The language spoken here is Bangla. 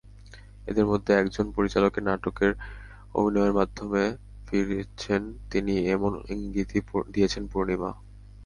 এঁদের মধ্যে একজন পরিচালকের নাটকে অভিনয়ের মাধ্যমে ফিরছেন তিনি—এমন ইঙ্গিতই দিয়েছেন পূর্ণিমা।